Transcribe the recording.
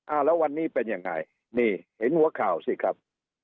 แล้ววันนี้เป็นยังไงนี่เห็นหัวข่าวสิครับ